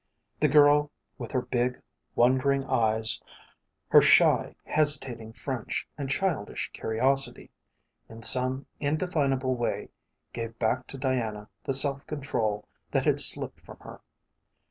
The girl, with her big, wondering eyes, her shy, hesitating French and childish curiosity, in some indefinable way gave back to Diana the self control that had slipped from her.